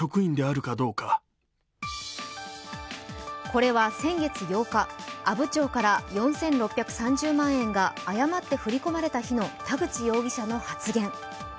これは先月８日、阿武町から４６３０万円が誤って振り込まれた日の田口容疑者の発言。